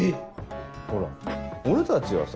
ほら俺たちはさ